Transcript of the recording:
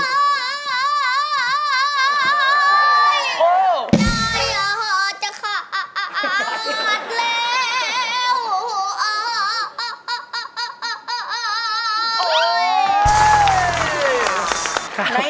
ใจจะขาดแล้ว